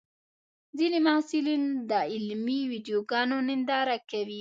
ځینې محصلین د علمي ویډیوګانو ننداره کوي.